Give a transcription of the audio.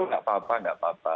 oh enggak apa apa enggak apa apa